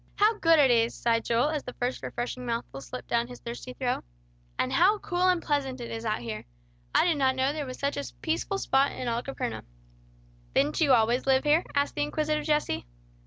"How good it is!" sighed Joel, as the first refreshing mouthful slipped down his thirsty throat. "And how cool and pleasant it is out here. I did not know there was such a peaceful spot in all Capernaum." "Didn't you always live here?" asked the inquisitive Jesse.